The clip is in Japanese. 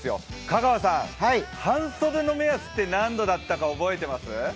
香川さん、半袖の目安って何度だったか覚えてます？